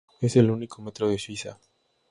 Es el único metro de Suiza.